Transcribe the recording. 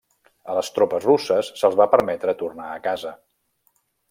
A les tropes russes se'ls va permetre tornar a casa.